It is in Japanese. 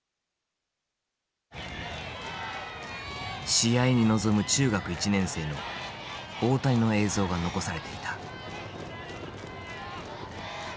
試合に臨む中学１年生の大谷の映像が残されていた。